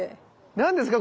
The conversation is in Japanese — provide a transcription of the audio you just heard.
何ですか？